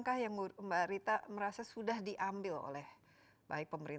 tapi yang perlu diwaspadai justru ini